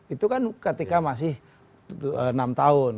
itu kan ketika masih enam tahun